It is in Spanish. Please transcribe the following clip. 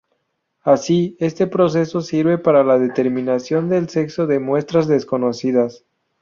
Así, este proceso sirve para la determinación del sexo de muestras desconocidas.